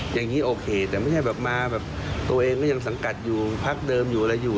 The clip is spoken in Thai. อย่างนี้โอเคแต่ไม่ใช่แบบมาแบบตัวเองก็ยังสังกัดอยู่พักเดิมอยู่อะไรอยู่